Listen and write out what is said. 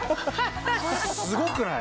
すごくない？